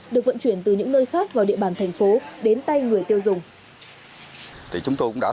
được vận chuyển từ những nơi khác vào địa bàn thành phố đến tay người tiêu dùng